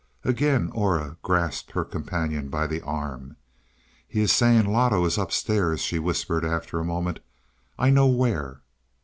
Again Aura grasped her companion by the arm. "He is saying Loto is upstairs," she whispered after a moment. "I know where."